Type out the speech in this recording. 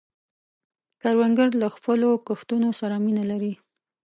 کروندګر له خپلو کښتونو سره مینه لري